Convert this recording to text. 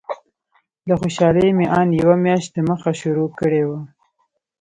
له خوشالۍ مې ان یوه میاشت دمخه شروع کړې وه.